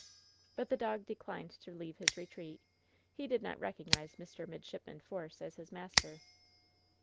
But the dog declined to leave his retreat. He did not recognize Mr. Midshipman Force as his master.